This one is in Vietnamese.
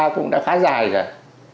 cũng đã khá dài rồi